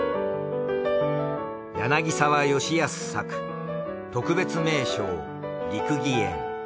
柳澤吉保作特別名勝『六義園』。